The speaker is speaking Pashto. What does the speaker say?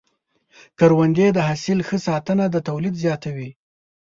د کروندې د حاصل ښه ساتنه د تولید زیاتوي.